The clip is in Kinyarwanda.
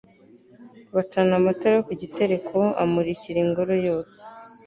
bacana n'amatara yo ku gitereko, amurikiringoro yose